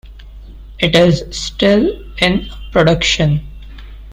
It is still in production.